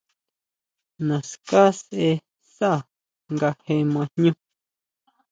Naská sʼe sá nga je ma jñú.